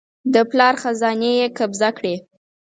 د پلار خزانې یې قبضه کړې.